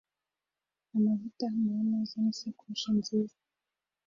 amavuta ahumura neza n'isakoshi nziza.